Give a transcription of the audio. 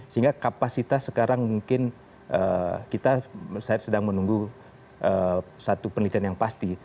sehingga kapasitas sekarang mungkin kita sedang menunggu satu penelitian yang pasti